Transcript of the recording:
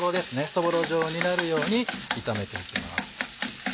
そぼろ状になるように炒めていきます。